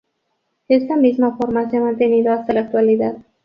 Esta misma forma se ha mantenido hasta la actualidad.